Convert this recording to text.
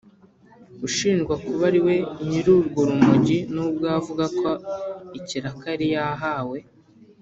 ushinjwa kuba ari we nyir’urwo rumogi n’ubwo we avuga ko ari ikiraka yari yahawe